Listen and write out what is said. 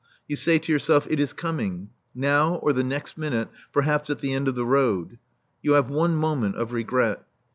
You say to yourself, "It is coming. Now or the next minute perhaps at the end of the road." You have one moment of regret.